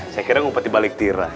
saya kira ngumpet di balik tiranya